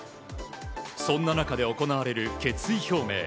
そんな中で行われる決意表明。